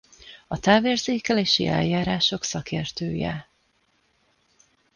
A távérzékelési eljárások szakértője.